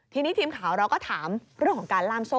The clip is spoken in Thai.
ทีนี้ทีมข่าวเราก็ถามเรื่องของการล่ามโซ่